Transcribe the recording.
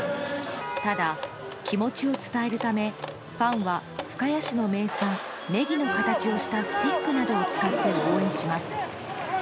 ただ、気持ちを伝えるためファンは深谷市の名産、ネギの形をしたスティックなどを使って応援します。